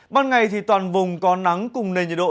ban ngày thì toàn vùng có nắng cùng nền nhiệt độ